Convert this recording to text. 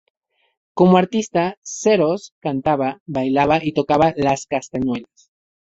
Como artista, Serós cantaba, bailaba y tocaba las castañuelas.